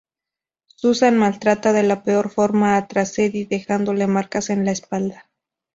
Susan maltrata de la peor forma a Tancredi, dejándole marcas en la espalda.